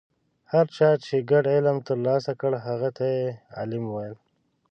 هر چا چې ګډ علم ترلاسه کړ هغه ته یې عالم ویل.